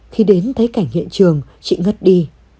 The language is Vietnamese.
khi đến thấy cảnh hiện trường chị ngất đi